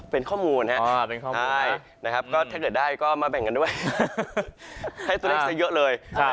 เป็นข้อมูลครับถ้าเกิดได้ก็มาแบ่งกันด้วยให้ตัวเลขเยอะเลย